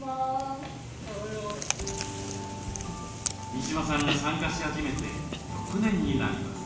三嶋さんが参加し始めて６年になります。